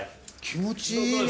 気持ちいい。